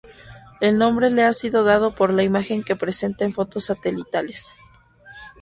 El nombre le ha sido dado por la imagen que presenta en fotos satelitales.